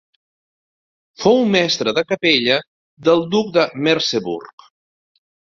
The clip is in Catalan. Fou mestre de capella del duc de Merseburg.